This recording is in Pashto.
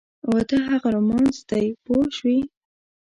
واده هغه رومانس دی پوه شوې!.